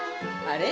あれ？